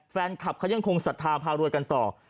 แฟนคัปเค้ายังคงสัธาพารวจกันต่อ